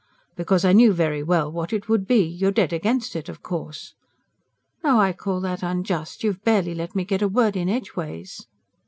"Because I knew very well what it would be. You dead against it, of course!" "Now I call that unjust. You've barely let me get a word in edgeways."